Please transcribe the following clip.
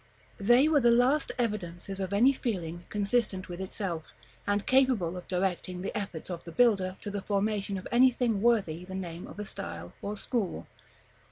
They were the last evidences of any feeling consistent with itself, and capable of directing the efforts of the builder to the formation of anything worthy the name of a style or school.